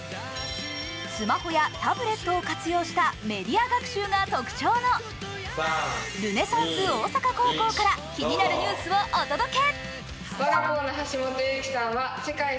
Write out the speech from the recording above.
スマホやタブレットを活用した、メディア学習が特徴のルネサンス大阪高校から気になるニュースをお届け。